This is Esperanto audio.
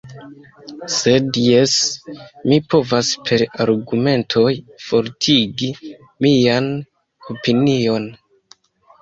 Sed jes, mi povas per argumentoj fortigi mian opinion.